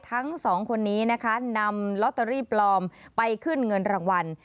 ทั้งสองคนนี้นะคะนำลอตเตอรี่ปลอมไปขึ้นเงินรางวัล